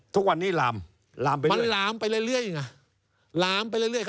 ทุกวันนี้ลามลามไปเรื่อยนะมันลามไปเรื่อยนะ